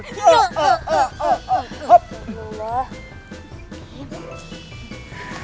kita itu levelnya ngejar koruptor